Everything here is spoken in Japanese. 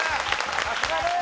さすがです！